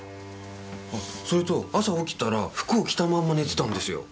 あそれと朝起きたら服を着たまま寝てたんですよ。